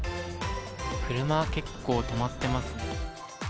車は結構止まっていますね。